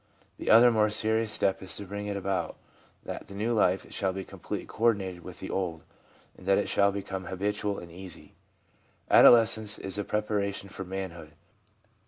The other more serious step is to bring it about that the new life shall be completely co ordinated with the old, and that it shall become habitual and easy. Adolescence is a preparation for manhood.